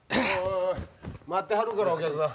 待ってはるから、お客さん。